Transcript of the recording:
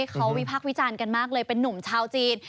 เขาวิพักษ์วิจารณ์กันมากเลยเป็นนุ่มชาวจีน